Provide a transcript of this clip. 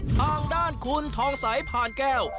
ทางด้านคุณทองสายผ่านแก้ว